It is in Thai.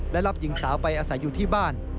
และรับหญิงสาวไปอาศัยอยู่ที่บ้าน